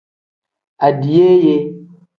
Adiyeeye.